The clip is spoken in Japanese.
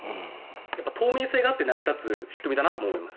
やっぱり透明性があって成り立つ仕組みだなと思います。